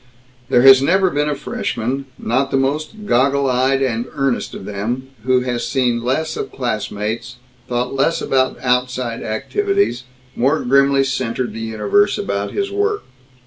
There has never been a Freshman, not the most goggle eyed and earnest of them, who has seen less of classmates, thought less about "outside activities," more grimly centered the universe about his work.